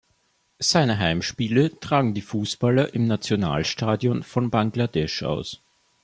Seine Heimspiele tragen die Fußballer im Nationalstadion von Bangladesch aus.